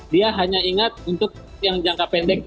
dia hanya ingat untuk yang jangka pendek